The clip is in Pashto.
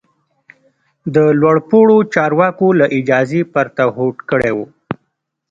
د لوړ پوړو چارواکو له اجازې پرته هوډ کړی و.